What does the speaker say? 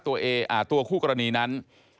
ตัวคู่กรณีนั้น